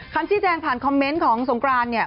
คำชี้แจงผ่านคอมเมนต์ของสงกรานเนี่ย